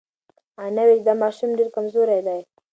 انا وویل چې دا ماشوم ډېر کمزوری دی.